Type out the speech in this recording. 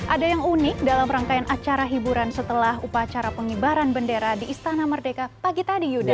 ada yang unik dalam rangkaian acara hiburan setelah upacara pengibaran bendera di istana merdeka pagi tadi yuda